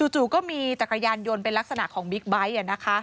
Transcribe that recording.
จู่ก็มีจักรยานยนต์เป็นลักษณะของบิ๊กไบท์